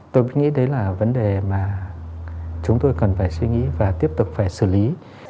tôi nghĩ đấy là vấn đề mà chúng tôi cần phải suy nghĩ và tiếp tục phải xử lý